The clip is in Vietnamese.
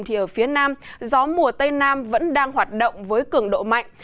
thì ở phía nam gió mùa tây nam vẫn đang hoạt động với cường độ mạnh